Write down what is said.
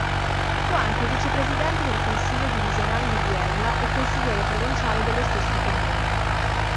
Fu anche Vicepresidente del Consiglio divisionale di Biella e Consigliere provinciale dello stesso comune.